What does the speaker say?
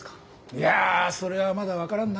いやそれはまだ分からんなあ。